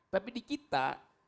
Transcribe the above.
tapi di kita